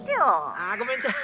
あごめんちゃい。